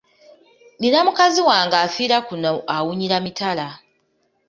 Nina mukazi wange afiira kuno awunyira mitala.